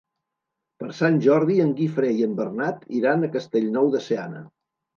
Per Sant Jordi en Guifré i en Bernat iran a Castellnou de Seana.